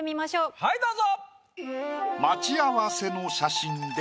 はいどうぞ！